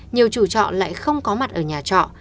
nhiều chủ trọ lại không có mặt ở nhà trọ